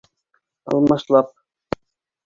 Алмашлап!